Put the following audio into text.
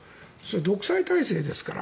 独裁体制ですから。